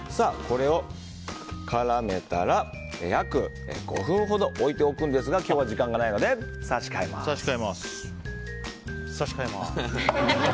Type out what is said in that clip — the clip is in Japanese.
これを絡めたら約５分ほど置いておくんですが今日は時間がないので差し替えます。